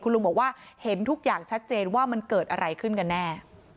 ลุงบอกว่าเห็นทุกอย่างชัดเจนว่ามันเกิดอะไรขึ้นกันแน่